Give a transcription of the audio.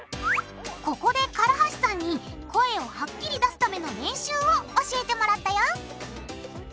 ここで唐橋さんに声をはっきり出すための練習を教えてもらったよ！